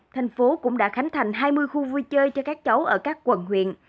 thành phố cũng đã khánh thành hai mươi khu vui chơi cho các cháu ở các quận huyện